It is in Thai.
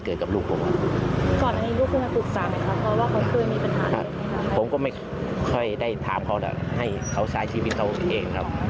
ครับผมก็ไม่ค่อยได้ถามพ่อแต่ให้เขาใช้ชีวิตเขาเองครับ